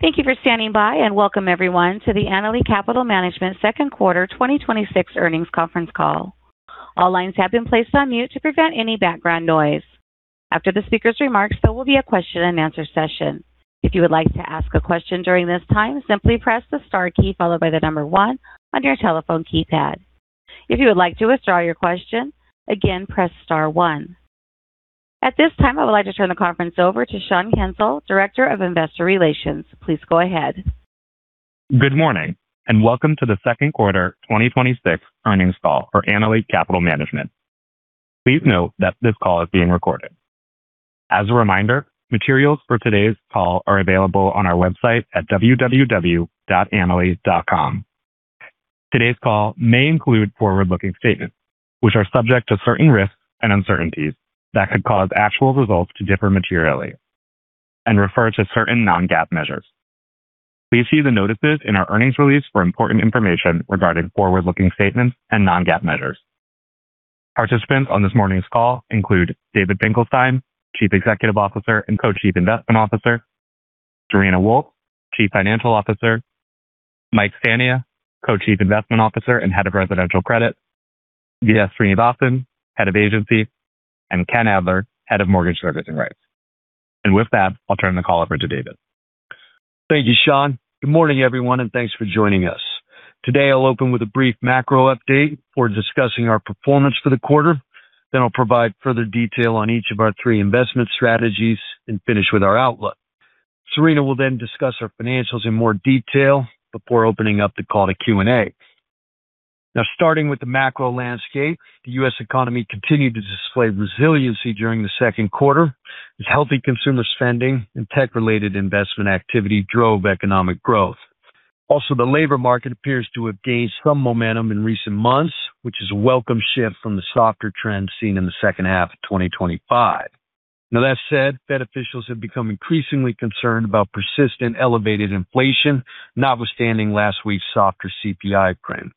Thank you for standing by, and welcome everyone to the Annaly Capital Management Second Quarter 2026 Earnings Conference Call. All lines have been placed on mute to prevent any background noise. After the speakers' remarks, there will be a question and answer session. If you would like to ask a question during this time, simply press the star key followed by the number one on your telephone keypad. If you would like to withdraw your question, again, press star one. At this time, I would like to turn the conference over to Sean Kensil, Director of Investor Relations. Please go ahead. Good morning, and welcome to the second quarter 2026 earnings call for Annaly Capital Management. Please note that this call is being recorded. As a reminder, materials for today's call are available on our website at www.annaly.com. Today's call may include forward-looking statements, which are subject to certain risks and uncertainties that could cause actual results to differ materially and refer to certain non-GAAP measures. Please see the notices in our earnings release for important information regarding forward-looking statements and non-GAAP measures. Participants on this morning's call include David Finkelstein, Chief Executive Officer and Co-Chief Investment Officer, Serena Wolfe, Chief Financial Officer, Mike Fania, Co-Chief Investment Officer and Head of Residential Credit, V.S. Srinivasan, Head of Agency, and Ken Adler, Head of Mortgage Servicing Rights. With that, I'll turn the call over to David. Thank you, Sean. Good morning, everyone, thanks for joining us. Today, I'll open with a brief macro update for discussing our performance for the quarter. Then I'll provide further detail on each of our three investment strategies and finish with our outlook. Serena will then discuss our financials in more detail before opening up the call to Q&A. Starting with the macro landscape, the U.S. economy continued to display resiliency during the second quarter as healthy consumer spending and tech-related investment activity drove economic growth. Also, the labor market appears to have gained some momentum in recent months, which is a welcome shift from the softer trend seen in the second half of 2025. That said, Fed officials have become increasingly concerned about persistent elevated inflation, notwithstanding last week's softer CPI print.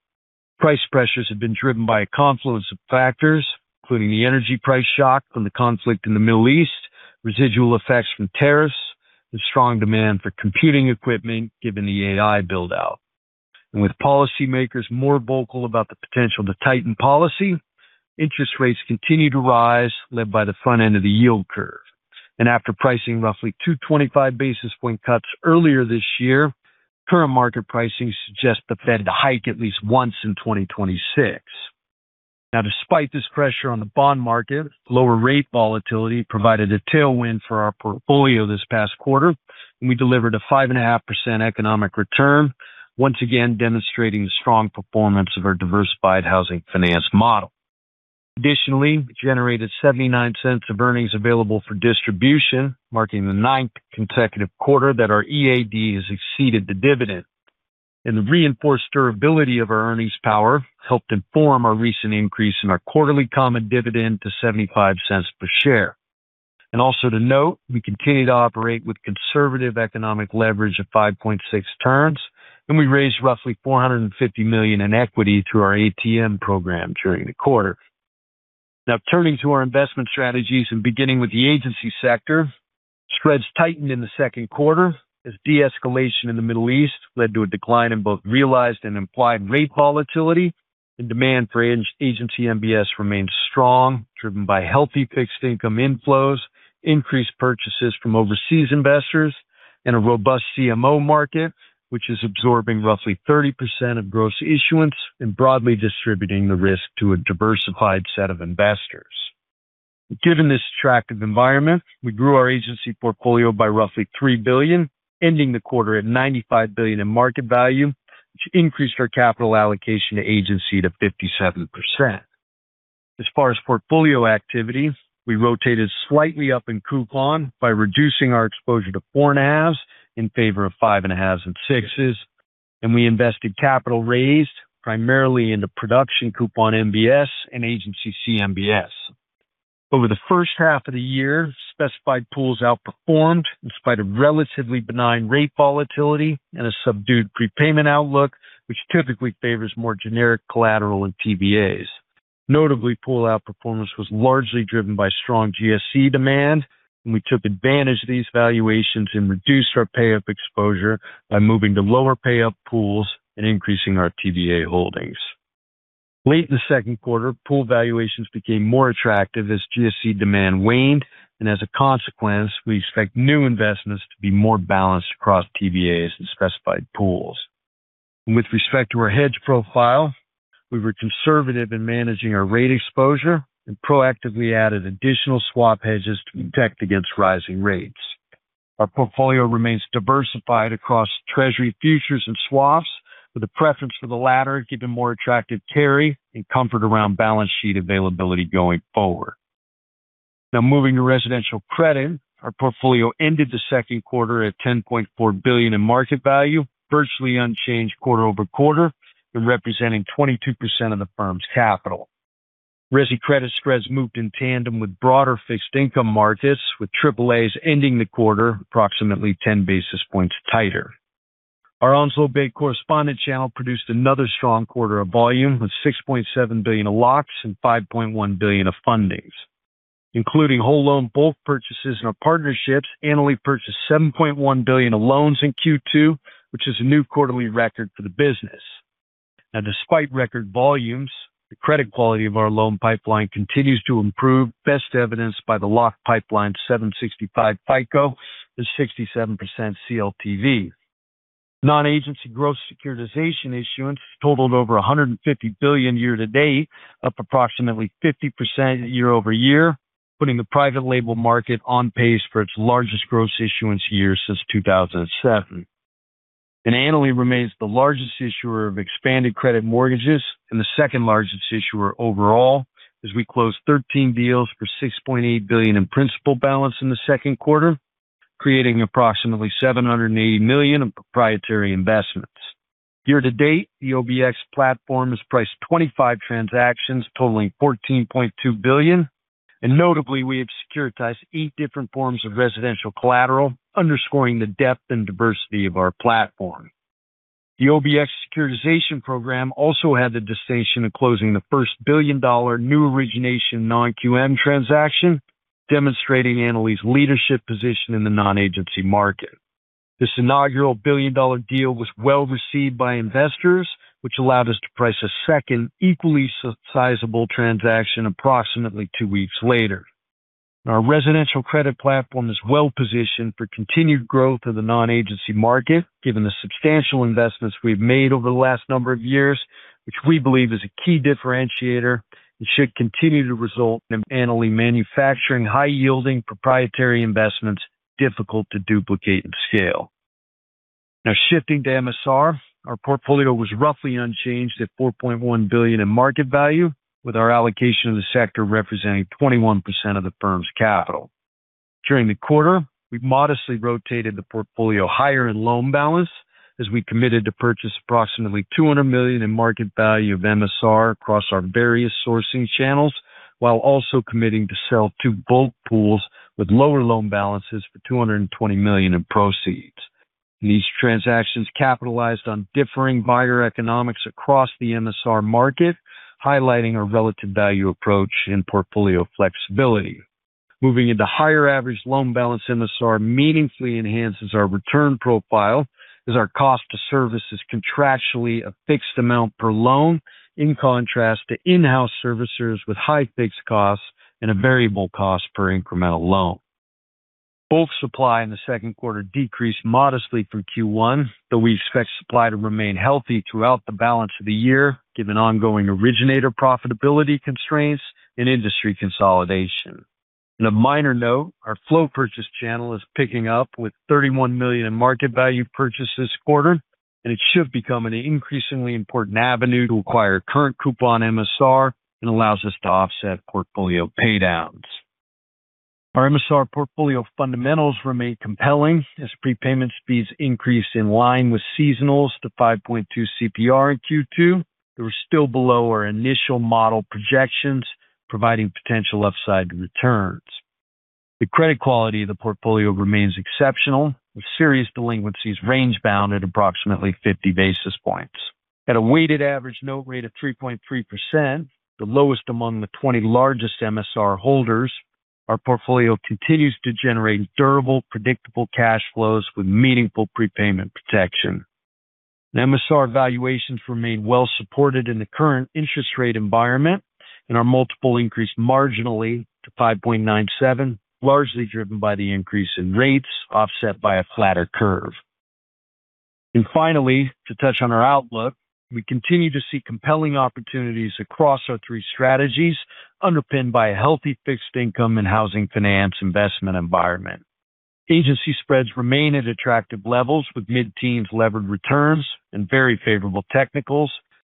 Price pressures have been driven by a confluence of factors, including the energy price shock from the conflict in the Middle East, residual effects from tariffs, and strong demand for computing equipment given the AI build-out. With policymakers more vocal about the potential to tighten policy, interest rates continue to rise, led by the front end of the yield curve. After pricing roughly two 25 basis point cuts earlier this year, current market pricing suggests the Fed to hike at least once in 2026. Despite this pressure on the bond market, lower rate volatility provided a tailwind for our portfolio this past quarter, and we delivered a 5.5% economic return, once again demonstrating the strong performance of our diversified housing finance model. Additionally, we generated $0.79 of earnings available for distribution, marking the ninth consecutive quarter that our EAD has exceeded the dividend. The reinforced durability of our earnings power helped inform our recent increase in our quarterly common dividend to $0.75 per share. Also to note, we continue to operate with conservative economic leverage of 5.6x, and we raised roughly $450 million in equity through our ATM program during the quarter. Turning to our investment strategies and beginning with the Agency sector, spreads tightened in the second quarter as de-escalation in the Middle East led to a decline in both realized and implied rate volatility and demand for Agency MBS remained strong, driven by healthy fixed income inflows, increased purchases from overseas investors, and a robust CMO market, which is absorbing roughly 30% of gross issuance and broadly distributing the risk to a diversified set of investors. Given this attractive environment, we grew our Agency portfolio by roughly $3 billion, ending the quarter at $95 billion in market value, which increased our capital allocation to Agency to 57%. As far as portfolio activity, we rotated slightly up in coupon by reducing our exposure to 4.5s in favor of 5.5s and 6s, and we invested capital raised primarily into production coupon MBS and Agency CMBS. Over the first half of the year, specified pools outperformed in spite of relatively benign rate volatility and a subdued prepayment outlook, which typically favors more generic collateral and TBAs. Notably, pool outperformance was largely driven by strong GSE demand, and we took advantage of these valuations and reduced our payup exposure by moving to lower payup pools and increasing our TBA holdings. Late in the second quarter, pool valuations became more attractive as GSE demand waned, as a consequence, we expect new investments to be more balanced across TBAs and specified pools. With respect to our hedge profile, we were conservative in managing our rate exposure and proactively added additional swap hedges to protect against rising rates. Our portfolio remains diversified across Treasury, futures, and swaps, with a preference for the latter given more attractive carry and comfort around balance sheet availability going forward. Moving to Residential Credit, our portfolio ended the second quarter at $10.4 billion in market value, virtually unchanged quarter-over-quarter and representing 22% of the firm's capital. Resi Credit spreads moved in tandem with broader fixed income markets, with AAAs ending the quarter approximately 10 basis points tighter. Our Onslow Bay correspondent channel produced another strong quarter of volume with $6.7 billion of locks and $5.1 billion of fundings. Including whole loan bulk purchases in our partnerships, Annaly purchased $7.1 billion of loans in Q2, which is a new quarterly record for the business. Despite record volumes, the credit quality of our loan pipeline continues to improve, best evidenced by the locked pipeline 765 FICO with 67% CLTV. Non-Agency gross securitization issuance totaled over $150 billion year to date, up approximately 50% year-over-year, putting the private-label market on pace for its largest gross issuance year since 2007. Annaly remains the largest issuer of Expanded Credit mortgages and the second largest issuer overall as we closed 13 deals for $6.8 billion in principal balance in the second quarter, creating approximately $780 million of proprietary investments. Year to date, the OBX platform has priced 25 transactions totaling $14.2 billion. Notably, we have securitized eight different forms of residential collateral, underscoring the depth and diversity of our platform. The OBX securitization program also had the distinction of closing the first billion-dollar new origination Non-QM transaction, demonstrating Annaly's leadership position in the non-agency market. This inaugural billion-dollar deal was well-received by investors, which allowed us to price a second equally sizable transaction approximately two weeks later. Our Residential Credit platform is well-positioned for continued growth of the non-agency market given the substantial investments we've made over the last number of years, which we believe is a key differentiator and should continue to result in Annaly manufacturing high-yielding proprietary investments difficult to duplicate and scale. Shifting to MSR, our portfolio was roughly unchanged at $4.1 billion in market value, with our allocation of the sector representing 21% of the firm's capital. During the quarter, we modestly rotated the portfolio higher in loan balance as we committed to purchase approximately $200 million in market value of MSR across our various sourcing channels, while also committing to sell two bulk pools with lower loan balances for $220 million in proceeds. These transactions capitalized on differing buyer economics across the MSR market, highlighting our relative value approach and portfolio flexibility. Moving into higher average loan balance MSR meaningfully enhances our return profile as our cost to service is contractually a fixed amount per loan, in contrast to in-house servicers with high fixed costs and a variable cost per incremental loan. Bulk supply in the second quarter decreased modestly from Q1, though we expect supply to remain healthy throughout the balance of the year given ongoing originator profitability constraints and industry consolidation. A minor note, our flow purchase channel is picking up with $31 million in market value purchased this quarter, and it should become an increasingly important avenue to acquire current coupon MSR and allows us to offset portfolio paydowns. Our MSR portfolio fundamentals remain compelling as prepayment speeds increase in line with seasonals to 5.2 CPR in Q2. They were still below our initial model projections, providing potential upside returns. The credit quality of the portfolio remains exceptional, with serious delinquencies range bound at approximately 50 basis points. At a weighted average note rate of 3.3%, the lowest among the 20 largest MSR holders, our portfolio continues to generate durable, predictable cash flows with meaningful prepayment protection. MSR valuations remain well supported in the current interest rate environment, and our multiple increased marginally to 5.97, largely driven by the increase in rates offset by a flatter curve. Finally, to touch on our outlook, we continue to see compelling opportunities across our three strategies underpinned by a healthy fixed income and housing finance investment environment. Agency spreads remain at attractive levels with mid-teens levered returns and very favorable technicals.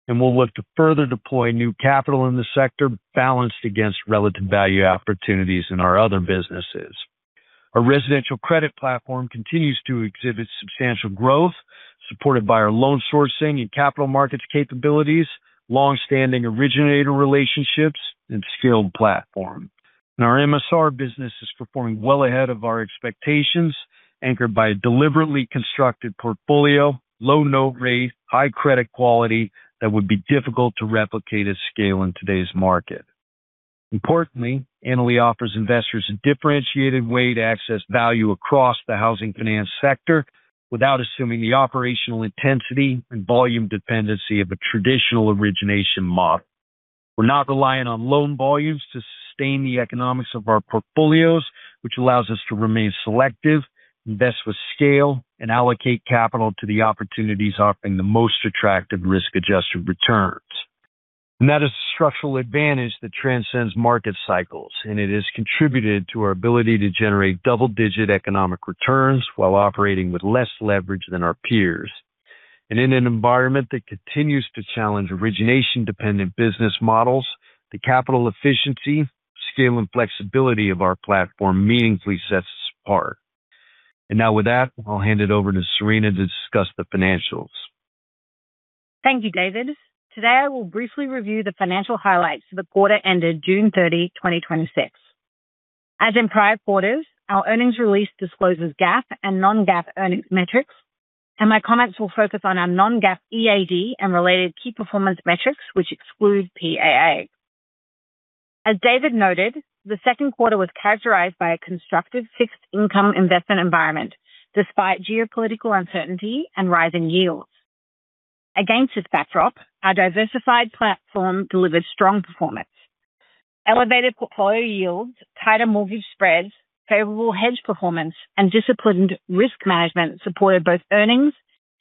We'll look to further deploy new capital in the sector balanced against relative value opportunities in our other businesses. Our Residential Credit platform continues to exhibit substantial growth supported by our loan sourcing and capital markets capabilities, long-standing originator relationships, and skilled platform. Our MSR business is performing well ahead of our expectations, anchored by a deliberately constructed portfolio, low note rate, high credit quality that would be difficult to replicate at scale in today's market. Importantly, Annaly offers investors a differentiated way to access value across the housing finance sector without assuming the operational intensity and volume dependency of a traditional origination model. We're not reliant on loan volumes to sustain the economics of our portfolios, which allows us to remain selective, invest with scale, and allocate capital to the opportunities offering the most attractive risk-adjusted returns. That is a structural advantage that transcends market cycles, and it has contributed to our ability to generate double-digit economic returns while operating with less leverage than our peers. In an environment that continues to challenge origination-dependent business models, the capital efficiency, scale, and flexibility of our platform meaningfully sets us apart. Now with that, I'll hand it over to Serena to discuss the financials. Thank you, David. Today, I will briefly review the financial highlights for the quarter ended June 30, 2026. As in prior quarters, our earnings release discloses GAAP and non-GAAP earnings metrics, and my comments will focus on our non-GAAP EAD and related key performance metrics, which exclude PAA. As David noted, the second quarter was characterized by a constructive fixed-income investment environment, despite geopolitical uncertainty and rising yields. Against this backdrop, our diversified platform delivered strong performance. Elevated portfolio yields, tighter mortgage spreads, favorable hedge performance, and disciplined risk management supported both earnings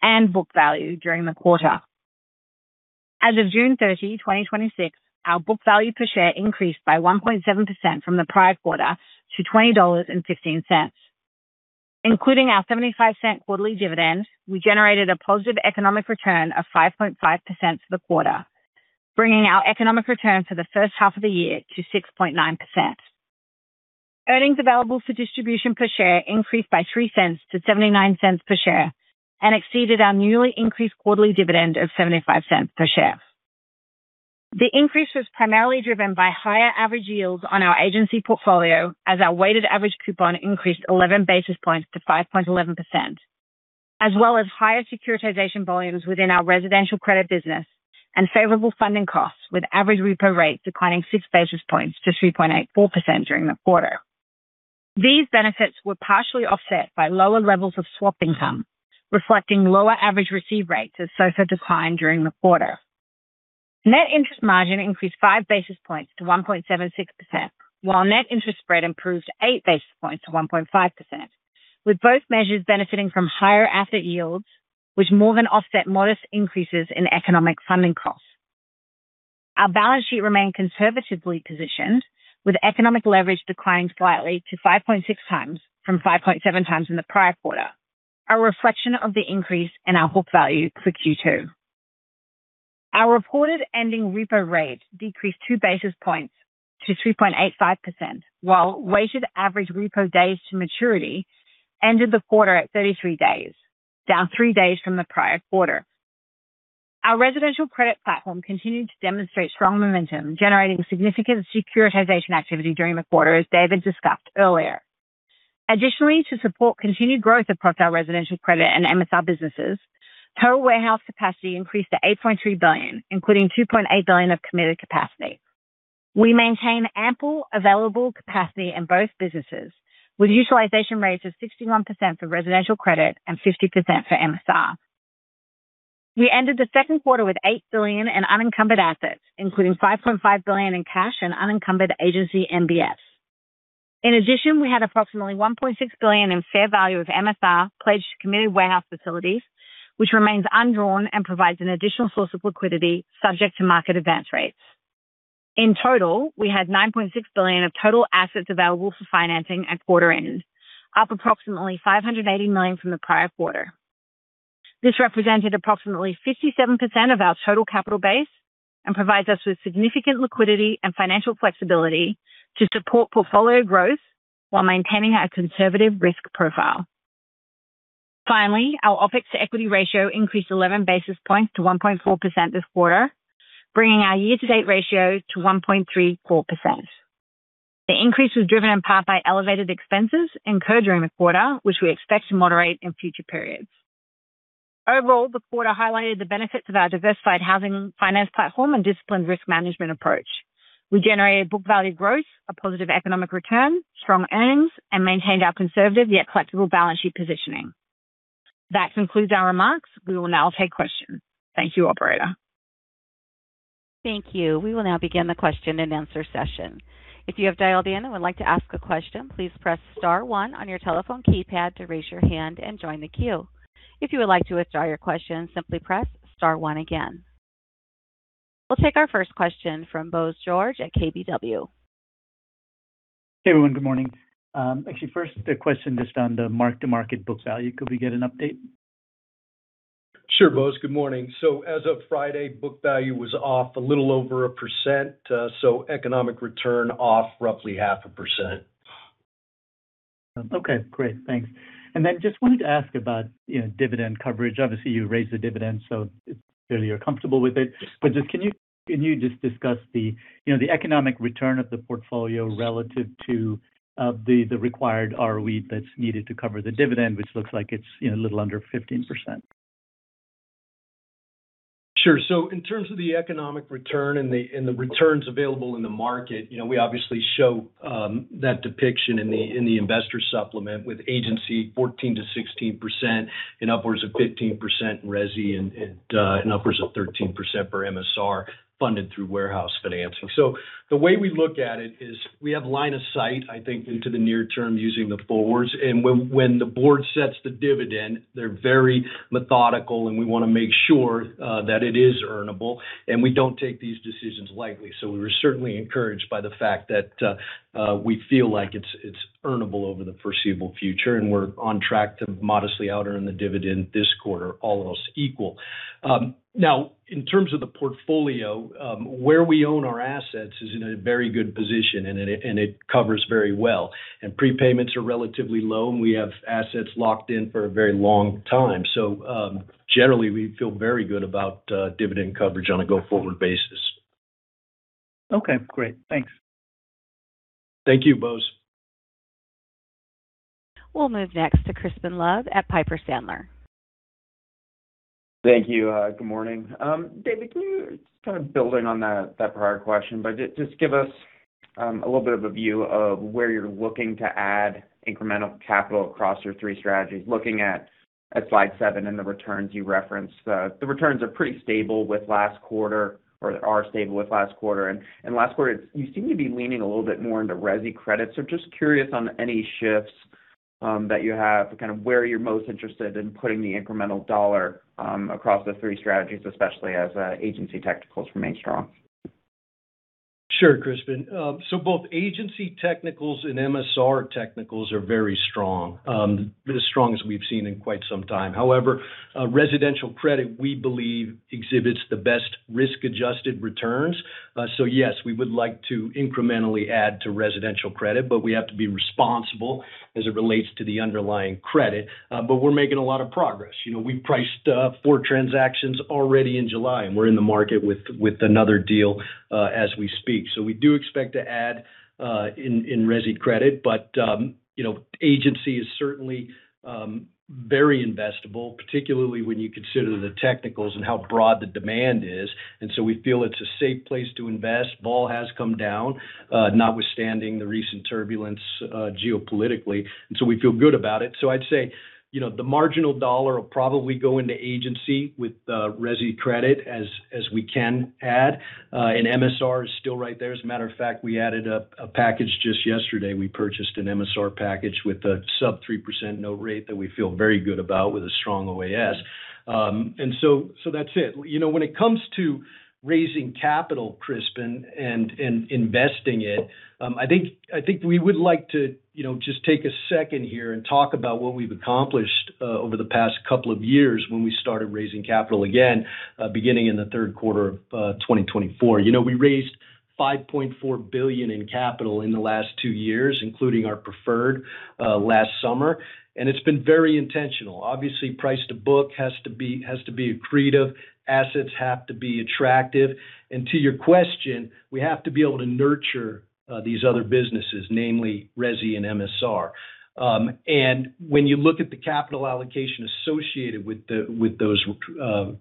and book value during the quarter. As of June 30, 2026, our book value per share increased by 1.7% from the prior quarter to $20.15. Including our $0.75 quarterly dividend, we generated a positive economic return of 5.5% for the quarter, bringing our economic return for the first half of the year to 6.9%. Earnings available for distribution per share increased by $0.03 to $0.79 per share, Exceeded our newly increased quarterly dividend of $0.75 per share. The increase was primarily driven by higher average yields on our Agency portfolio, as our weighted average coupon increased 11 basis points to 5.11%, as well as higher securitization volumes within our Residential Credit business and favorable funding costs, with average repo rates declining 6 basis points to 3.84% during the quarter. These benefits were partially offset by lower levels of swap income, reflecting lower average receive rates as SOFR declined during the quarter. Net interest margin increased 5 basis points to 1.76%, while net interest spread improved 8 basis points to 1.5%, with both measures benefiting from higher asset yields, which more than offset modest increases in economic funding costs. Our balance sheet remained conservatively positioned, with economic leverage declining slightly to 5.6x from 5.7x in the prior quarter, a reflection of the increase in our book value for Q2. Our reported ending repo rate decreased 2 basis points to 3.85%, while weighted average repo days to maturity ended the quarter at 33 days, down three days from the prior quarter. Our Residential Credit platform continued to demonstrate strong momentum, generating significant securitization activity during the quarter, as David discussed earlier. Additionally, to support continued growth across our Residential Credit and MSR businesses, total warehouse capacity increased to $8.3 billion, including $2.8 billion of committed capacity. We maintain ample available capacity in both businesses, with utilization rates of 61% for Residential Credit and 50% for MSR. We ended the second quarter with $8 billion in unencumbered assets, including $5.5 billion in cash and unencumbered Agency MBS. In addition, we had approximately $1.6 billion in fair value of MSR pledged to committed warehouse facilities, which remains undrawn and provides an additional source of liquidity subject to market advance rates. In total, we had $9.6 billion of total assets available for financing at quarter end, up approximately $580 million from the prior quarter. This represented approximately 57% of our total capital base and provides us with significant liquidity and financial flexibility to support portfolio growth while maintaining our conservative risk profile. Finally, our OpEx-to-equity ratio increased 11 basis points to 1.4% this quarter, bringing our year-to-date ratio to 1.34%. The increase was driven in part by elevated expenses incurred during the quarter, which we expect to moderate in future periods. Overall, the quarter highlighted the benefits of our diversified housing finance platform and disciplined risk management approach. We generated book value growth, a positive economic return, strong earnings, and maintained our conservative yet collectible balance sheet positioning. That concludes our remarks. We will now take questions. Thank you, Operator. Thank you. We will now begin the question-and-answer session. If you have dialed in and would like to ask a question, please press star one on your telephone keypad to raise your hand and join the queue. If you would like to withdraw your question, simply press star one again. We'll take our first question from Bose George at KBW. Hey, everyone. Good morning. Actually, first, a question just on the mark-to-market book value. Could we get an update? Sure, Bose. Good morning. As of Friday, book value was off a little over 1%, economic return off roughly 0.5%. Okay, great. Thanks. Then just wanted to ask about dividend coverage. Obviously, you raised the dividend, so clearly you're comfortable with it. But just can you just discuss the economic return of the portfolio relative to the required ROE that's needed to cover the dividend, which looks like it's a little under 15%? Sure. In terms of the economic return and the returns available in the market, we obviously show that depiction in the investor supplement with agency 14%-16% and upwards of 15% in resi and upwards of 13% for MSR funded through warehouse financing. The way we look at it is we have line of sight, I think into the near term using the forwards. When the board sets the dividend, they're very methodical, and we want to make sure that it is earnable. We don't take these decisions lightly. We were certainly encouraged by the fact that we feel like it's earnable over the foreseeable future, and we're on track to modestly out-earn the dividend this quarter, almost equal. In terms of the portfolio, where we own our assets is in a very good position, and it covers very well. Prepayments are relatively low, and we have assets locked in for a very long time. Generally, we feel very good about dividend coverage on a go-forward basis. Okay, great. Thanks. Thank you, Bose. We'll move next to Crispin Love at Piper Sandler. Thank you. Good morning. David, can you, just kind of building on that prior question, just give us a little bit of a view of where you're looking to add incremental capital across your three strategies, looking at slide seven and the returns you referenced. The returns are pretty stable with last quarter, or are stable with last quarter. Last quarter, you seem to be leaning a little bit more into Resi Credit. Just curious on any shifts that you have, kind of where you're most interested in putting the incremental dollar across the three strategies, especially as Agency technicals remain strong. Sure, Crispin. Both Agency technicals and MSR technicals are very strong. As strong as we've seen in quite some time. However, Residential Credit, we believe, exhibits the best risk-adjusted returns. Yes, we would like to incrementally add to Residential Credit, but we have to be responsible as it relates to the underlying credit. We're making a lot of progress. We've priced four transactions already in July, and we're in the market with another deal as we speak. We do expect to add in Resi Credit. Agency is certainly very investable, particularly when you consider the technicals and how broad the demand is. We feel it's a safe place to invest. Vol has come down, notwithstanding the recent turbulence geopolitically. We feel good about it. I'd say, the marginal dollar will probably go into Agency with Resi Credit as we can add. MSR is still right there. As a matter of fact, we added a package just yesterday. We purchased an MSR package with a sub 3% note rate that we feel very good about with a strong OAS. That's it. When it comes to raising capital, Crispin, investing it, I think we would like to just take a second here and talk about what we've accomplished over the past couple of years when we started raising capital again beginning in the third quarter of 2024. We raised $5.4 billion in capital in the last two years, including our preferred last summer. It's been very intentional. Price to book has to be accretive. Assets have to be attractive. To your question, we have to be able to nurture these other businesses, namely Resi and MSR. When you look at the capital allocation associated with those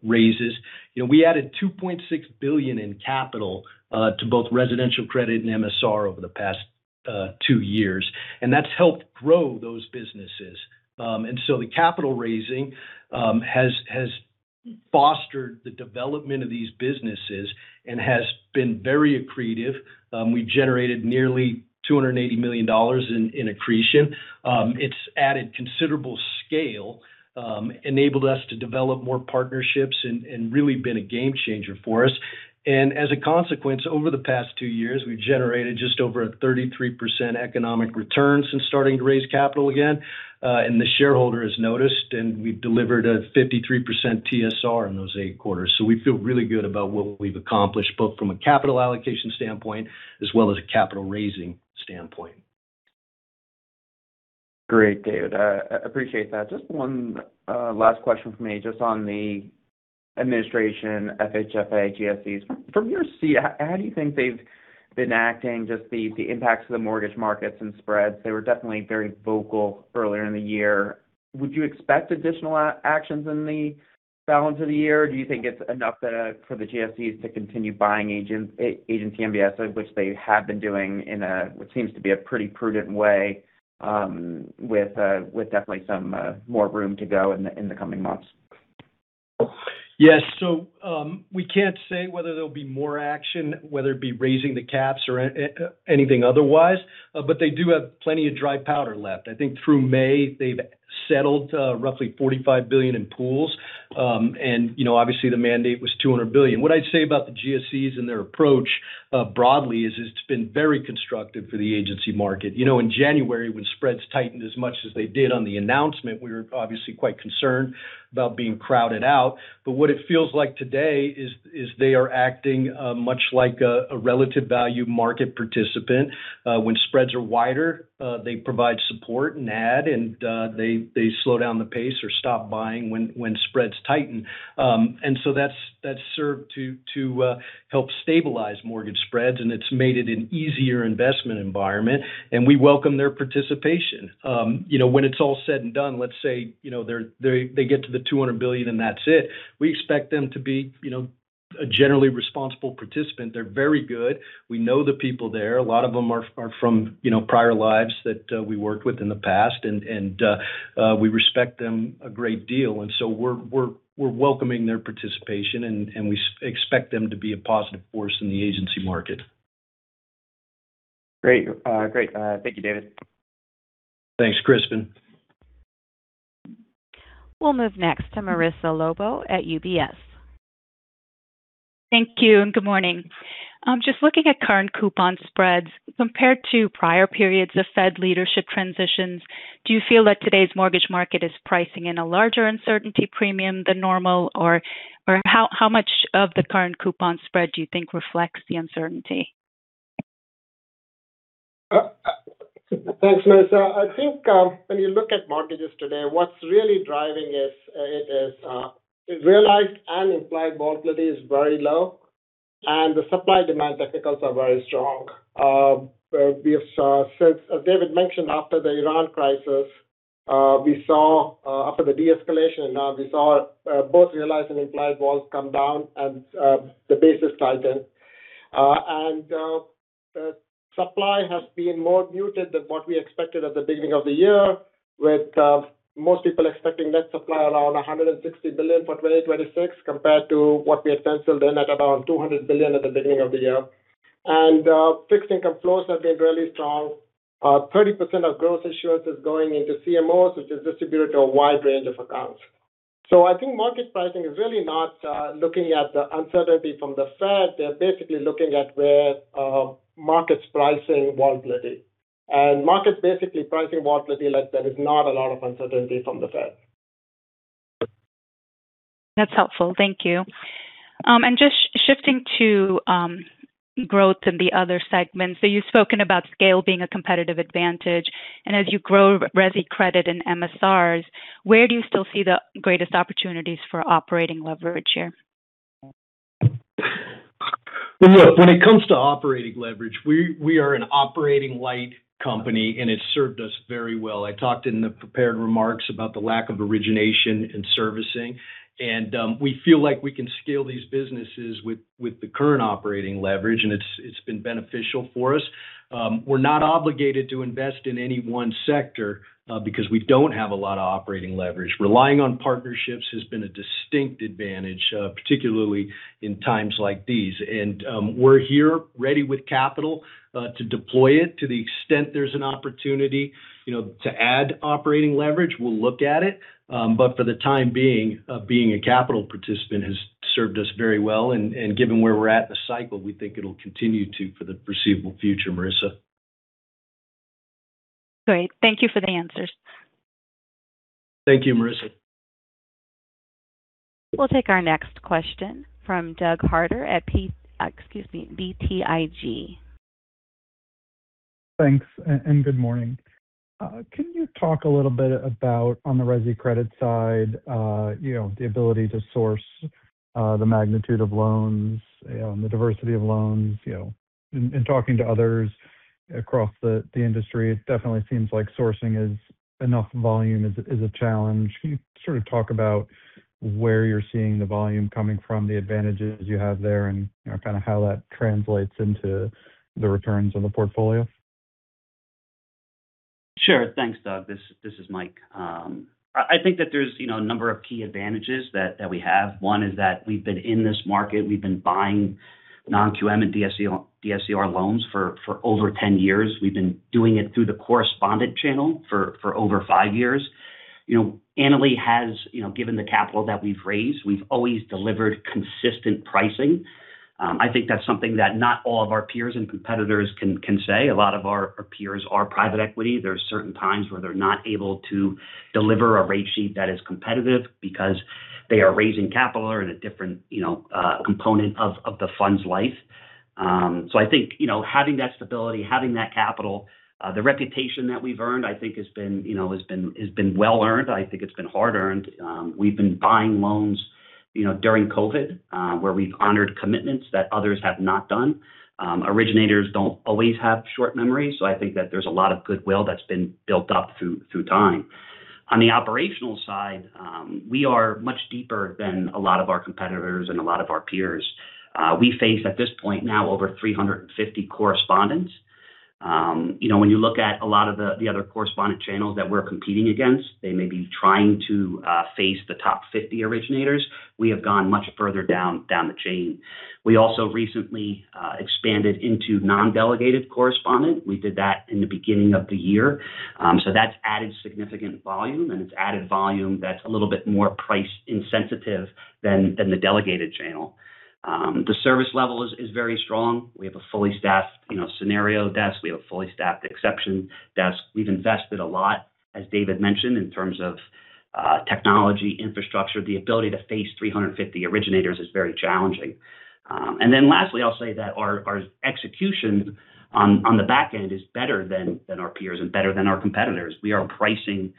raises, we added $2.6 billion in capital to both Residential Credit and MSR over the past two years, that's helped grow those businesses. The capital raising has fostered the development of these businesses and has been very accretive. We've generated nearly $280 million in accretion. It's added considerable scale, enabled us to develop more partnerships, really been a game changer for us. As a consequence, over the past two years, we've generated just over a 33% economic return since starting to raise capital again. The shareholder has noticed, we've delivered a 53% TSR in those eight quarters. We feel really good about what we've accomplished, both from a capital allocation standpoint as well as a capital raising standpoint. Great, David. I appreciate that. Just one last question from me, just on the administration, FHFA, GSEs. From your seat, how do you think they've been acting, just the impacts of the mortgage markets and spreads? They were definitely very vocal earlier in the year. Would you expect additional actions in the balance of the year, or do you think it's enough for the GSEs to continue buying Agency MBS, which they have been doing in what seems to be a pretty prudent way with definitely some more room to go in the coming months? Yes. We can't say whether there'll be more action, whether it be raising the caps or anything otherwise. They do have plenty of dry powder left. I think through May, they've settled roughly $45 billion in pools. Obviously, the mandate was $200 billion. What I'd say about the GSEs and their approach broadly is it's been very constructive for the Agency market. In January, when spreads tightened as much as they did on the announcement, we were obviously quite concerned about being crowded out. What it feels like today is they are acting much like a relative value market participant. When spreads are wider, they provide support and add, and they slow down the pace or stop buying when spreads tighten. That's served to help stabilize mortgage spreads, and it's made it an easier investment environment, and we welcome their participation. When it's all said and done, let's say they get to the $200 billion, and that's it. We expect them to be a generally responsible participant. They're very good. We know the people there. A lot of them are from prior lives that we worked with in the past, and we respect them a great deal. We're welcoming their participation, and we expect them to be a positive force in the Agency market. Great. Thank you, David. Thanks, Crispin. We'll move next to Marissa Lobo at UBS. Thank you, and good morning. Just looking at current coupon spreads compared to prior periods of Fed leadership transitions, do you feel that today's mortgage market is pricing in a larger uncertainty premium than normal, or how much of the current coupon spread do you think reflects the uncertainty? Thanks, Marissa. I think when you look at mortgages today, what's really driving it is realized and implied volatility is very low and the supply-demand fundamentals are very strong. Since David mentioned after the Iran crisis, we saw after the de-escalation and now we saw both realized and implied vol come down and the basis tighten. The supply has been more muted than what we expected at the beginning of the year, with most people expecting net supply around $160 billion for 2026 compared to what we had penciled in at around $200 billion at the beginning of the year. Fixed income flows have been really strong. 30% of gross issuance is going into CMOs, which is distributed to a wide range of accounts. I think market pricing is really not looking at the uncertainty from the Fed. They're basically looking at where markets pricing volatility. Markets basically pricing volatility like there is not a lot of uncertainty from the Fed. That's helpful. Thank you. Just shifting to growth in the other segments. You've spoken about scale being a competitive advantage, and as you grow Resi Credit and MSRs, where do you still see the greatest opportunities for operating leverage here? Well, look, when it comes to operating leverage, we are an operating light company, and it's served us very well. I talked in the prepared remarks about the lack of origination and servicing, and we feel like we can scale these businesses with the current operating leverage, and it's been beneficial for us. We're not obligated to invest in any one sector because we don't have a lot of operating leverage. Relying on partnerships has been a distinct advantage, particularly in times like these. We're here ready with capital to deploy it. To the extent there's an opportunity to add operating leverage, we'll look at it. For the time being a capital participant has served us very well. Given where we're at in the cycle, we think it'll continue to for the foreseeable future, Marissa. Great. Thank you for the answers. Thank you, Marissa. We'll take our next question from Doug Harter at BTIG. Thanks. Good morning. Can you talk a little bit about, on the Resi Credit side the ability to source the magnitude of loans and the diversity of loans? In talking to others across the industry, it definitely seems like sourcing enough volume is a challenge. Can you sort of talk about where you're seeing the volume coming from, the advantages you have there, and kind of how that translates into the returns of the portfolio? Sure. Thanks, Doug. This is Mike. I think that there's a number of key advantages that we have. One is that we've been in this market. We've been buying Non-QM and DSCR loans for over 10 years. We've been doing it through the correspondent channel for over five years. Annaly has, given the capital that we've raised, we've always delivered consistent pricing. I think that's something that not all of our peers and competitors can say. A lot of our peers are private equity. There are certain times where they're not able to deliver a rate sheet that is competitive because they are raising capital or in a different component of the fund's life. I think, having that stability, having that capital, the reputation that we've earned, I think has been well-earned. I think it's been hard-earned. We've been buying loans during COVID, where we've honored commitments that others have not done. Originators don't always have short memories, I think that there's a lot of goodwill that's been built up through time. On the operational side, we are much deeper than a lot of our competitors and a lot of our peers. We face, at this point now, over 350 correspondents. When you look at a lot of the other correspondent channels that we're competing against, they may be trying to face the top 50 originators. We have gone much further down the chain. We also recently expanded into non-delegated correspondent. We did that in the beginning of the year. That's added significant volume, and it's added volume that's a little bit more price-insensitive than the delegated channel. The service level is very strong. We have a fully staffed scenario desk. We have a fully staffed exception desk. We've invested a lot, as David mentioned, in terms of technology infrastructure. The ability to face 350 originators is very challenging. Lastly, I'll say that our execution on the back end is better than our peers and better than our competitors. We are pricing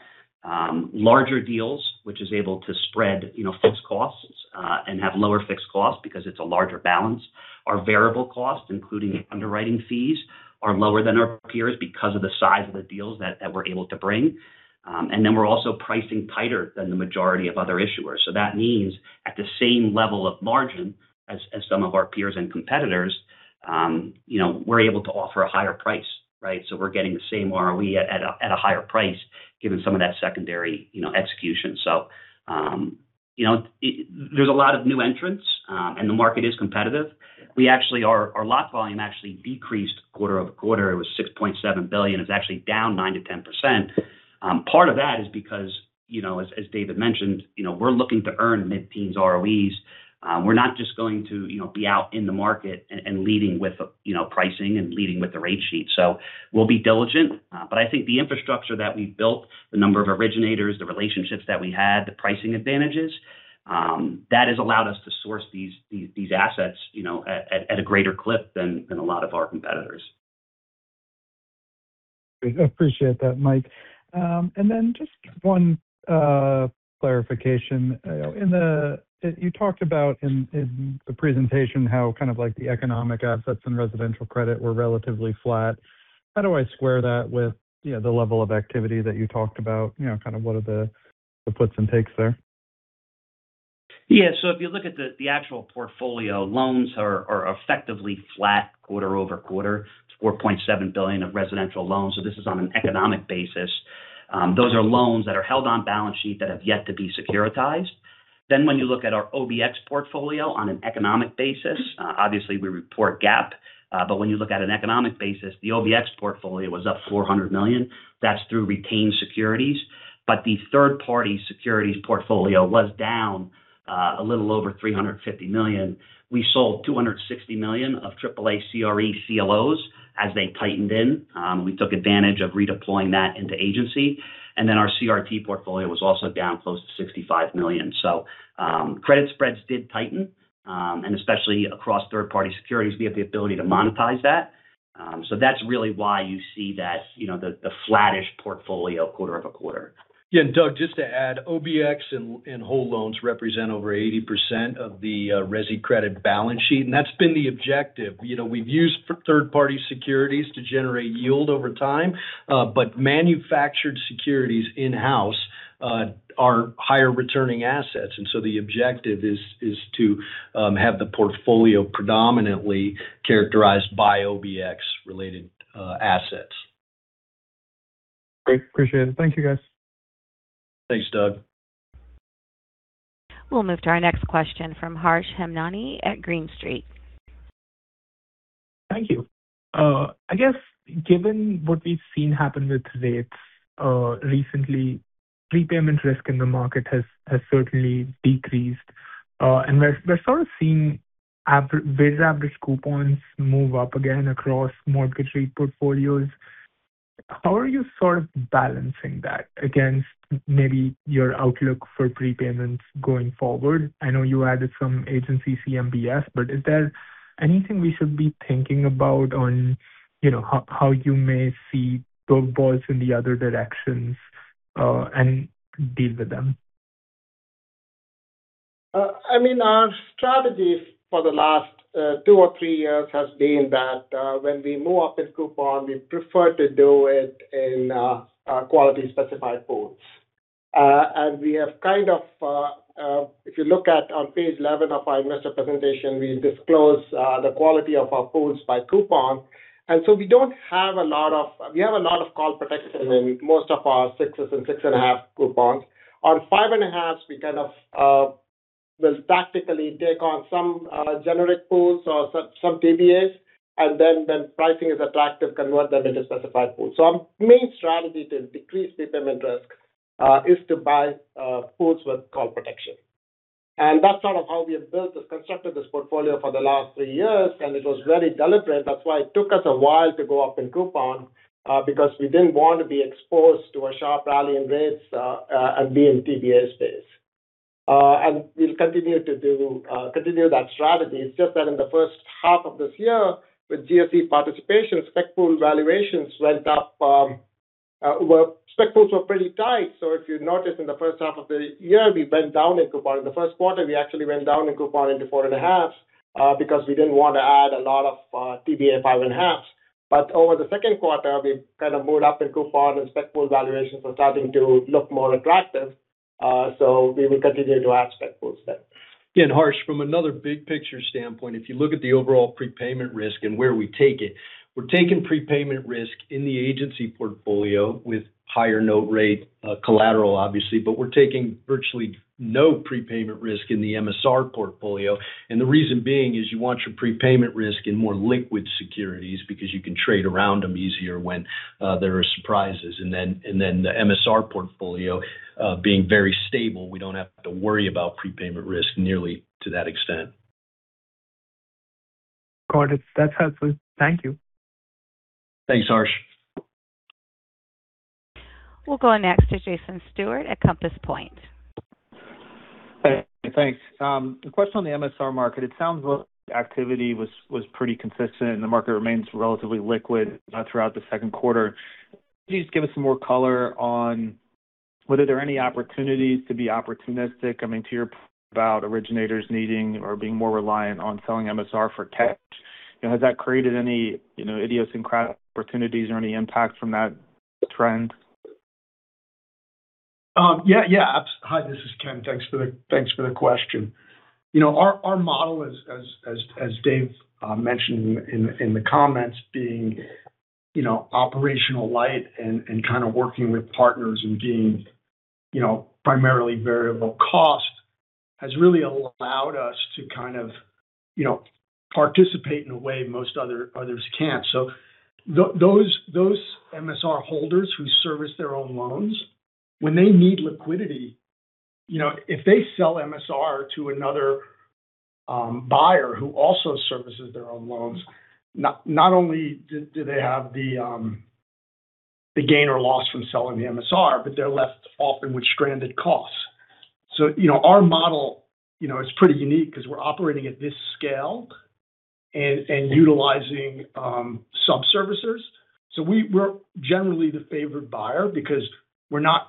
larger deals, which is able to spread fixed costs and have lower fixed costs because it's a larger balance. Our variable costs, including underwriting fees, are lower than our peers because of the size of the deals that we're able to bring. We're also pricing tighter than the majority of other issuers. That means at the same level of margin as some of our peers and competitors, we're able to offer a higher price, right? We're getting the same ROE at a higher price given some of that secondary execution. There's a lot of new entrants, and the market is competitive. Our lock volume actually decreased quarter-over-quarter. It was $6.7 billion. It's actually down 9%-10%. Part of that is because, as David mentioned, we're looking to earn mid-teens ROEs. We're not just going to be out in the market and leading with pricing and leading with the rate sheet. We'll be diligent. I think the infrastructure that we've built, the number of originators, the relationships that we had, the pricing advantages, that has allowed us to source these assets at a greater clip than a lot of our competitors. Great. Appreciate that, Mike. Then just one clarification. You talked about in the presentation how the economic assets and residential credit were relatively flat. How do I square that with the level of activity that you talked about? What are the puts and takes there? If you look at the actual portfolio, loans are effectively flat quarter-over-quarter. It's $4.7 billion of residential loans. This is on an economic basis. Those are loans that are held on balance sheet that have yet to be securitized. When you look at our OBX portfolio on an economic basis, obviously we report GAAP, but when you look at an economic basis, the OBX portfolio was up $400 million. That's through retained securities. The third-party securities portfolio was down a little over $350 million. We sold $260 million of AAA CRE CLOs as they tightened in. We took advantage of redeploying that into agency. Then our CRT portfolio was also down close to $65 million. Credit spreads did tighten, and especially across third-party securities, we have the ability to monetize that. That's really why you see the flattish portfolio quarter-over-quarter. Doug, just to add, OBX and whole loans represent over 80% of the Resi Credit balance sheet, and that's been the objective. We've used third-party securities to generate yield over time. Manufactured securities in-house are higher-returning assets. The objective is to have the portfolio predominantly characterized by OBX-related assets. Great. Appreciate it. Thank you, guys. Thanks, Doug. We'll move to our next question from Harsh Hemnani at Green Street. Thank you. I guess given what we've seen happen with rates recently, prepayment risk in the market has certainly decreased. We're sort of seeing weighted average coupons move up again across mortgage rate portfolios. How are you sort of balancing that against maybe your outlook for prepayments going forward? I know you added some Agency CMBS, but is there anything we should be thinking about on how you may see drawdowns in the other directions and deal with them? Our strategy for the last two or three years has been that when we move up in coupon, we prefer to do it in quality specified pools. If you look at on page 11 of our investor presentation, we disclose the quality of our pools by coupon. We have a lot of call protection in most of our 6s and 6.5 coupons. On 5.5s, we kind of will tactically take on some generic pools or some TBAs, then when pricing is attractive, convert them into specified pools. Our main strategy to decrease prepayment risk is to buy pools with call protection. That's sort of how we have built, constructed this portfolio for the last three years, and it was very deliberate. That's why it took us a while to go up in coupon, because we didn't want to be exposed to a sharp rally in rates and be in TBA space. We'll continue that strategy. It's just that in the first half of this year, with GSE participation, spec pool valuations went up. Well, spec pools were pretty tight, if you noticed in the first half of the year, we went down in coupon. In the first quarter, we actually went down in coupon into 4.5s because we didn't want to add a lot of TBA 5.5s. Over the second quarter, we kind of moved up in coupon and spec pool valuations are starting to look more attractive. We will continue to add spec pools there. Again, Harsh, from another big-picture standpoint, if you look at the overall prepayment risk and where we take it, we're taking prepayment risk in the Agency portfolio with higher note rate collateral, obviously, but we're taking virtually no prepayment risk in the MSR portfolio. The reason being is you want your prepayment risk in more liquid securities because you can trade around them easier when there are surprises. Then the MSR portfolio being very stable, we don't have to worry about prepayment risk nearly to that extent. Got it. That's helpful. Thank you. Thanks, Harsh. We'll go next to Jason Stewart at Compass Point. Hey, thanks. A question on the MSR market. It sounds like activity was pretty consistent, and the market remains relatively liquid throughout the second quarter. Can you just give us some more color on whether there are any opportunities to be opportunistic? I mean, to your point about originators needing or being more reliant on selling MSR for tech, has that created any idiosyncratic opportunities or any impact from that trend? Yeah. Hi, this is Ken. Thanks for the question. Our model as Dave mentioned in the comments, being operational light and kind of working with partners and being primarily variable cost, has really allowed us to kind of participate in a way most others can't. Those MSR holders who service their own loans, when they need liquidity, if they sell MSR to another buyer who also services their own loans, not only do they have the gain or loss from selling the MSR, but they're left often with stranded costs. Our model is pretty unique because we're operating at this scale and utilizing sub-servicers. We're generally the favored buyer because we're not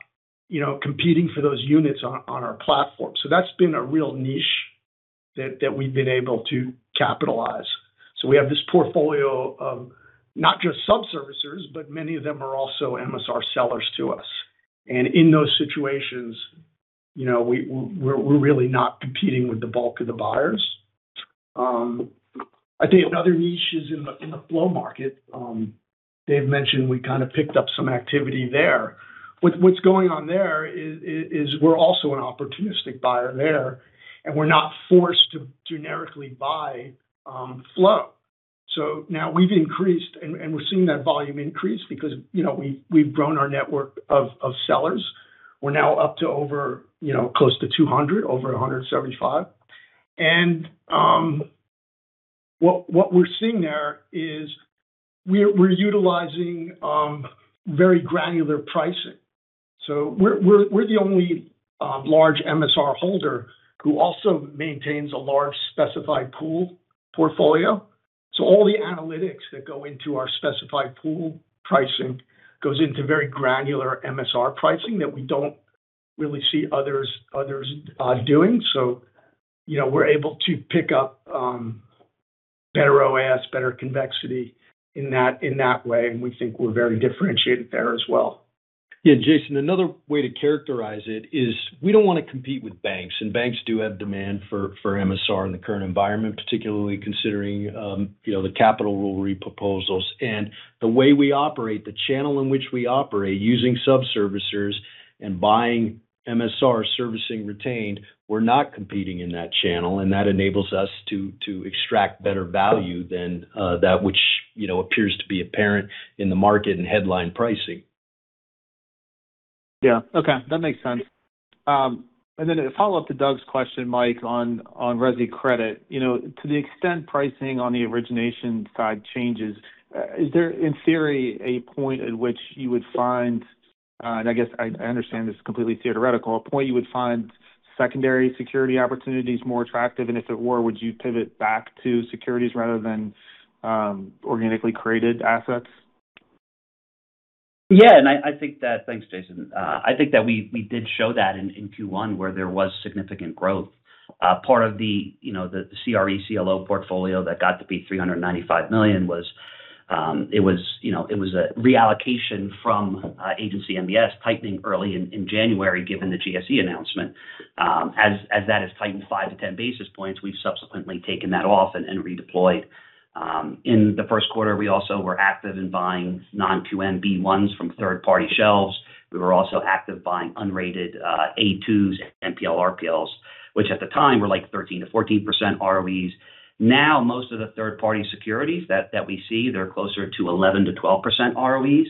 competing for those units on our platform. That's been a real niche that we've been able to capitalize. We have this portfolio of not just sub-servicers, but many of them are also MSR sellers to us. In those situations, we're really not competing with the bulk of the buyers. I think another niche is in the flow market. Dave mentioned we kind of picked up some activity there. What's going on there is we're also an opportunistic buyer there, and we're not forced to generically buy flow. Now we've increased and we're seeing that volume increase because we've grown our network of sellers. We're now up to close to 200, over 175. What we're seeing there is we're utilizing very granular pricing. We're the only large MSR holder who also maintains a large specified pool portfolio. All the analytics that go into our specified pool pricing goes into very granular MSR pricing that we don't really see others doing. We're able to pick up better OAS, better convexity in that way, we think we're very differentiated there as well. Yeah, Jason, another way to characterize it is we don't want to compete with banks do have demand for MSR in the current environment, particularly considering the capital rule proposals. The way we operate, the channel in which we operate using sub-servicers and buying MSR servicing retained, we're not competing in that channel, that enables us to extract better value than that which appears to be apparent in the market and headline pricing. Yeah. Okay. That makes sense. Then a follow-up to Doug's question, Mike, on Resi Credit. To the extent pricing on the origination side changes, is there, in theory, a point at which you would find, I guess I understand this is completely theoretical, a point you would find secondary security opportunities more attractive, if it were, would you pivot back to securities rather than organically created assets? Yeah, Thanks, Jason. I think that we did show that in Q1 where there was significant growth. Part of the CRE CLO portfolio that got to be $395 million was a reallocation from Agency MBS tightening early in January given the GSE announcement. As that has tightened 5-10 basis points, we've subsequently taken that off and redeployed. In the first quarter, we also were active in buying Non-QM B1s from third-party shelves. We were also active buying unrated A2s and NPL/RPLs, which at the time were like 13%-14% ROEs. Most of the third-party securities that we see, they're closer to 11%-12% ROEs.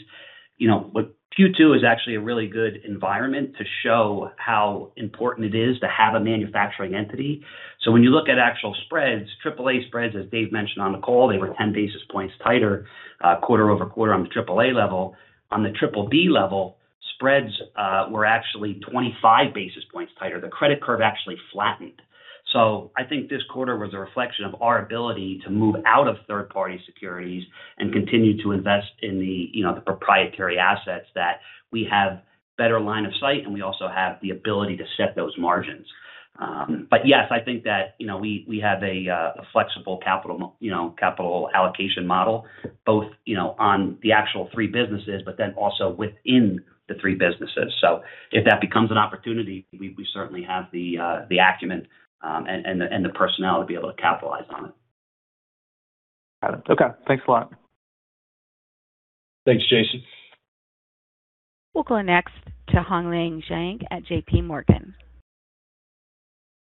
Q2 is actually a really good environment to show how important it is to have a manufacturing entity. When you look at actual spreads, AAA spreads, as Dave mentioned on the call, they were 10 basis points tighter quarter-over-quarter on the AAA level. On the BBB level, spreads were actually 25 basis points tighter. The credit curve actually flattened. I think this quarter was a reflection of our ability to move out of third-party securities and continue to invest in the proprietary assets that we have better line of sight, and we also have the ability to set those margins. Yes, I think that we have a flexible capital allocation model, both on the actual three businesses, but then also within the three businesses. If that becomes an opportunity, we certainly have the acumen and the personnel to be able to capitalize on it. Got it. Okay. Thanks a lot. Thanks, Jason. We'll go next to Hongliang Zhang at J.P. Morgan.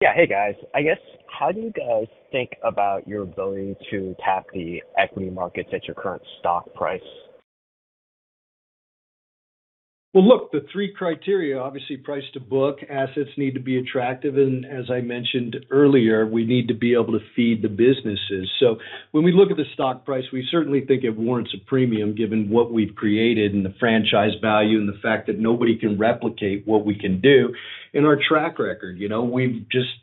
Yeah. Hey, guys. I guess, how do you guys think about your ability to tap the equity markets at your current stock price? Well, look, the three criteria, obviously price to book, assets need to be attractive, as I mentioned earlier, we need to be able to feed the businesses. When we look at the stock price, we certainly think it warrants a premium given what we've created and the franchise value and the fact that nobody can replicate what we can do in our track record. We've just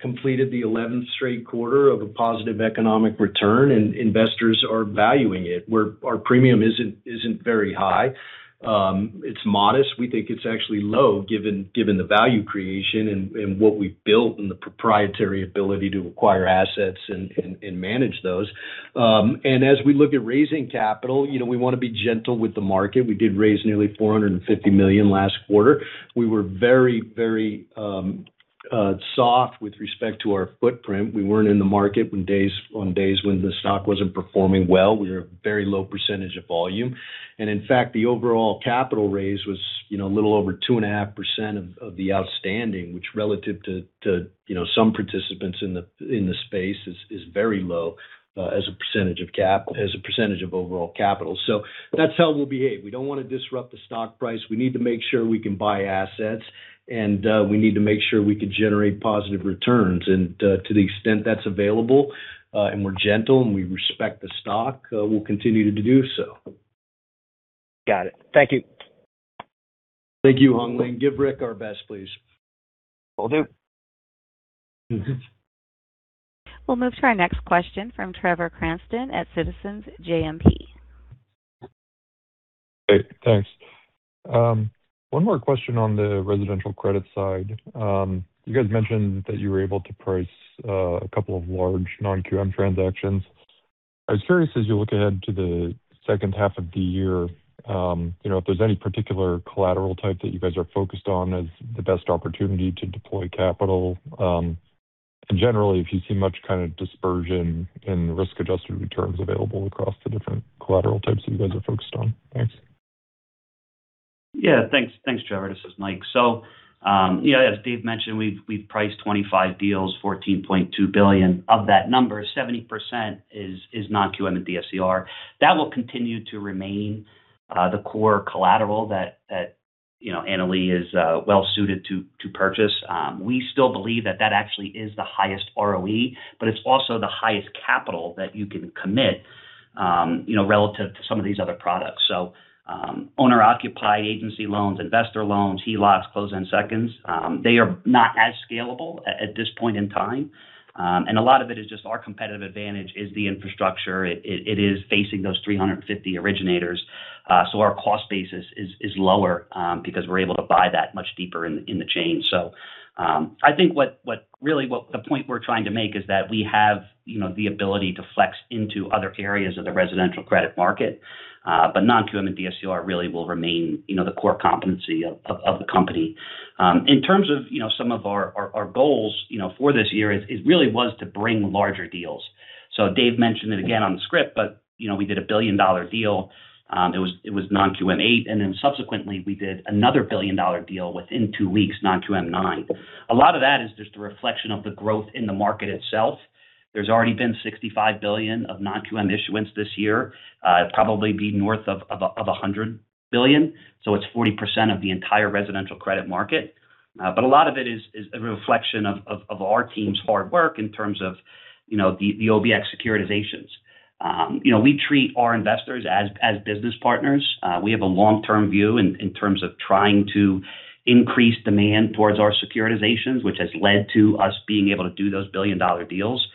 completed the 11th straight quarter of a positive economic return, and investors are valuing it. Our premium isn't very high. It's modest. We think it's actually low given the value creation and what we've built and the proprietary ability to acquire assets and manage those. As we look at raising capital, we want to be gentle with the market. We did raise nearly $450 million last quarter. We were very soft with respect to our footprint. We weren't in the market on days when the stock wasn't performing well. We were a very low percentage of volume. In fact, the overall capital raise was a little over 2.5% of the outstanding, which relative to some participants in the space is very low as a percentage of overall capital. That's how we'll behave. We don't want to disrupt the stock price. We need to make sure we can buy assets, and we need to make sure we can generate positive returns. To the extent that's available and we're gentle and we respect the stock, we'll continue to do so. Got it. Thank you. Thank you, Hongliang. Give Rick our best, please. Will do. We'll move to our next question from Trevor Cranston at Citizens JMP. Hey, thanks. One more question on the Residential Credit side. You guys mentioned that you were able to price a couple of large Non-QM transactions. I was curious, as you look ahead to the second half of the year, if there's any particular collateral type that you guys are focused on as the best opportunity to deploy capital. Generally, if you see much kind of dispersion in risk-adjusted returns available across the different collateral types that you guys are focused on. Thanks. Yeah. Thanks, Trevor. This is Mike. As Dave mentioned, we've priced 25 deals, $14.2 billion. Of that number, 70% is Non-QM and DSCR. That will continue to remain the core collateral that Annaly is well-suited to purchase. We still believe that that actually is the highest ROE, but it's also the highest capital that you can commit relative to some of these other products. Owner-occupied Agency loans, investor loans, HELOCs, close in seconds, they are not as scalable at this point in time. A lot of it is just our competitive advantage is the infrastructure. It is facing those 350 originators. Our cost base is lower because we're able to buy that much deeper in the chain. I think the point we're trying to make is that we have the ability to flex into other areas of the Residential Credit market. Non-QM and DSCR really will remain the core competency of the company. In terms of some of our goals for this year, it really was to bring larger deals. Dave mentioned it again on the script, but we did $1 billion deal. It was non-QM8, and then subsequently, we did another $1 billion deal within two weeks, non-QM9. A lot of that is just a reflection of the growth in the market itself. There's already been $65 billion of Non-QM issuance this year. It'll probably be north of $100 billion, so it's 40% of the entire Residential Credit market. A lot of it is a reflection of our team's hard work in terms of the OBX securitizations. We treat our investors as business partners. We have a long-term view in terms of trying to increase demand towards our securitizations, which has led to us being able to do those billion-dollar deals.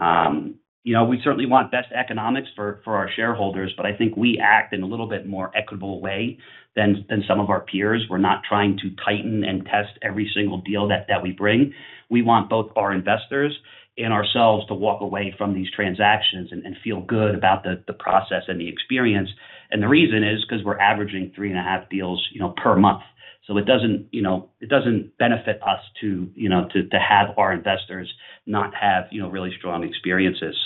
We certainly want best economics for our shareholders, but I think we act in a little bit more equitable way than some of our peers. We're not trying to tighten and test every single deal that we bring. We want both our investors and ourselves to walk away from these transactions and feel good about the process and the experience. The reason is because we're averaging 3.5 deals per month. It doesn't benefit us to have our investors not have really strong experiences.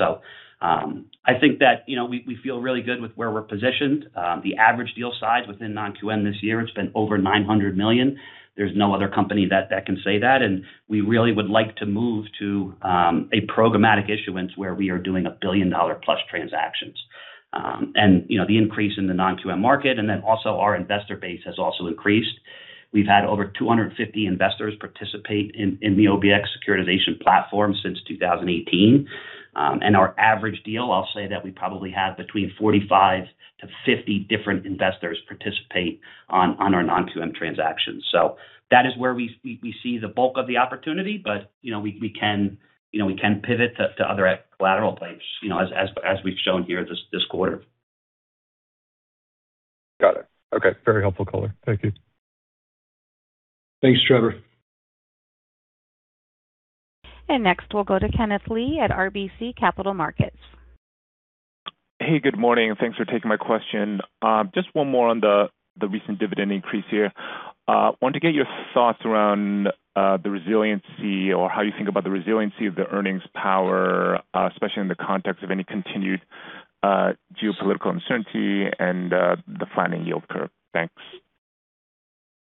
I think that we feel really good with where we're positioned. The average deal size within Non-QM this year, it's been over $900 million. There's no other company that can say that. We really would like to move to a programmatic issuance where we are doing $1 billion+ transactions. The increase in the Non-QM market, and then also our investor base has also increased. We've had over 250 investors participate in the OBX securitization platform since 2018. Our average deal, I'll say that we probably have between 45-50 different investors participate on our Non-QM transactions. That is where we see the bulk of the opportunity, but we can pivot to other collateral types, as we've shown here this quarter. Got it. Okay. Very helpful color. Thank you. Thanks, Trevor. Next, we'll go to Kenneth Lee at RBC Capital Markets. Hey, good morning, and thanks for taking my question. Just one more on the recent dividend increase here. Wanted to get your thoughts around the resiliency or how you think about the resiliency of the earnings power, especially in the context of any continued geopolitical uncertainty and the flattening yield curve. Thanks.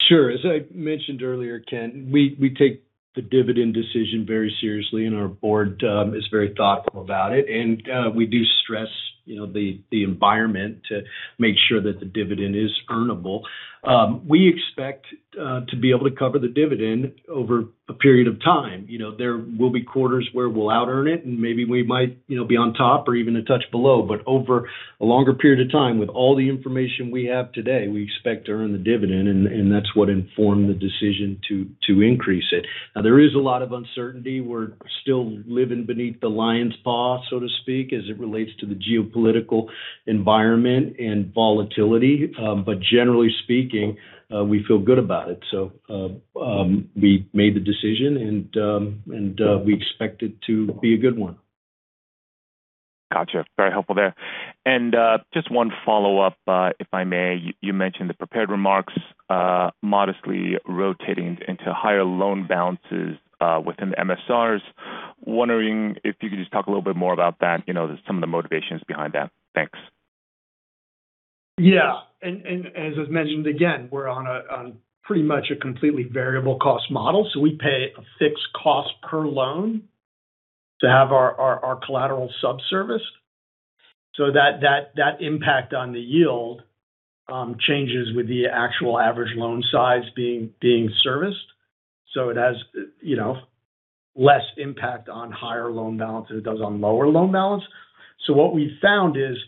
Sure. As I mentioned earlier, Ken, we take the dividend decision very seriously, and our board is very thoughtful about it, and we do stress the environment to make sure that the dividend is earnable. We expect to be able to cover the dividend over a period of time. There will be quarters where we'll out-earn it, and maybe we might be on top or even a touch below. Over a longer period of time, with all the information we have today, we expect to earn the dividend, and that's what informed the decision to increase it. Now, there is a lot of uncertainty. We're still living beneath the lion's paw, so to speak, as it relates to the geopolitical environment and volatility. Generally speaking, we feel good about it. We made the decision and we expect it to be a good one. Got it. Very helpful there. Just one follow-up, if I may. You mentioned the prepared remarks modestly rotating into higher loan balances within the MSRs. Wondering if you could just talk a little bit more about that, some of the motivations behind that. Thanks. Yeah. As is mentioned again, we're on pretty much a completely variable cost model. We pay a fixed cost per loan to have our collateral sub-serviced. That impact on the yield changes with the actual average loan size being serviced. It has less impact on higher loan balance than it does on lower loan balance. What we found is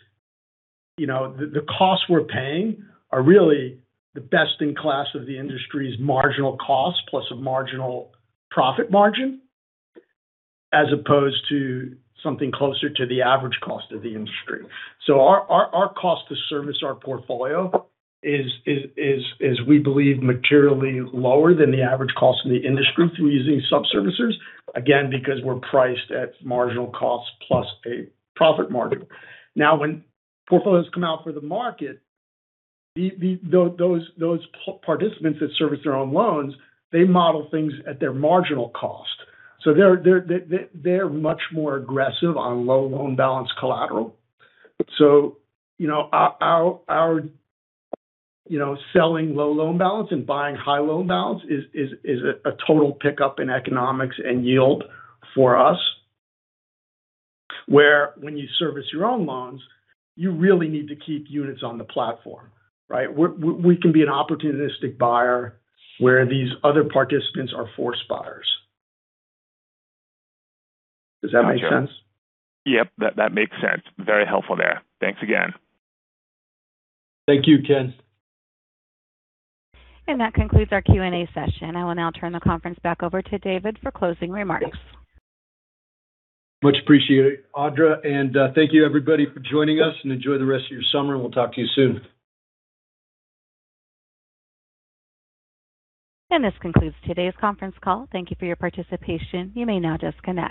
the costs we're paying are really the best in class of the industry's marginal cost plus a marginal profit margin, as opposed to something closer to the average cost of the industry. Our cost to service our portfolio is, we believe, materially lower than the average cost in the industry through using sub-servicers, again, because we're priced at marginal cost plus a profit margin. When portfolios come out for the market, those participants that service their own loans, they model things at their marginal cost. They're much more aggressive on low loan balance collateral. Selling low loan balance and buying high loan balance is a total pickup in economics and yield for us, where when you service your own loans, you really need to keep units on the platform, right? We can be an opportunistic buyer where these other participants are forced buyers. Does that make sense? Yep, that makes sense. Very helpful there. Thanks again. Thank you, Ken. That concludes our Q&A session. I will now turn the conference back over to David for closing remarks. Much appreciated, Audra. Thank you everybody for joining us. Enjoy the rest of your summer. We'll talk to you soon. This concludes today's conference call. Thank you for your participation. You may now disconnect.